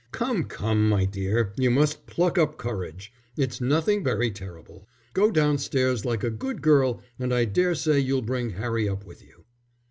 "Come, come, my dear, you must pluck up courage. It's nothing very terrible. Go downstairs like a good girl, and I daresay you'll bring Harry up with you."